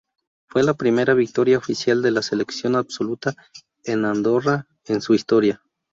Fue la primera victoria oficial de la selección absoluta de Andorra en su historia.